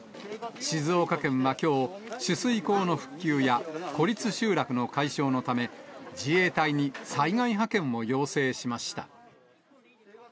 静岡県はきょう、取水口の復旧や、孤立集落の解消のため、自衛隊に災害派遣を要請しました。